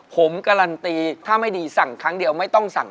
ผมการันตีถ้าไม่ดีสั่งครั้งเดียวไม่ต้องสั่ง